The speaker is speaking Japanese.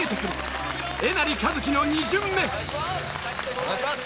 お願いします！